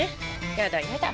やだやだ。